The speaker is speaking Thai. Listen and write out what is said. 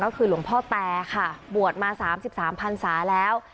ก็คือหลวงพ่อแตรบวนมา๓๓๐๐๐สาวแล้ว